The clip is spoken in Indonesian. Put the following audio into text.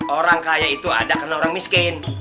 orang kaya itu ada karena orang miskin